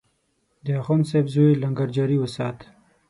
د اخندصاحب زوی لنګر جاري وسات.